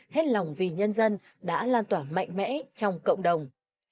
hết lòng vì nhân dân đã lan tỏa mạnh mẽ trong cộng đồng